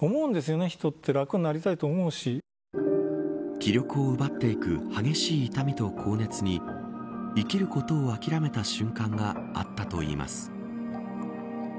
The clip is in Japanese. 気力を奪っていく激しい痛みと高熱に生きることを諦めた瞬間があったといいます。